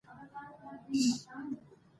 اسلامي قانون د ښځو حقونه خوندي کوي